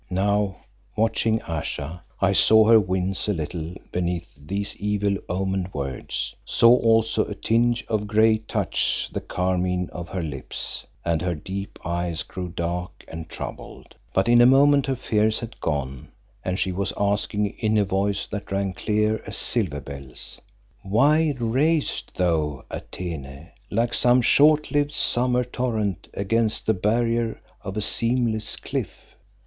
Now watching Ayesha, I saw her wince a little beneath these evil omened words, saw also a tinge of grey touch the carmine of her lips and her deep eyes grow dark and troubled. But in a moment her fears had gone and she was asking in a voice that rang clear as silver bells "Why ravest thou, Atene, like some short lived summer torrent against the barrier of a seamless cliff?